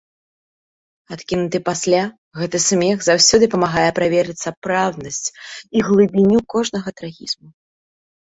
Адкінуты пасля, гэты смех заўсёды памагае праверыць сапраўднасць і глыбіню кожнага трагізму.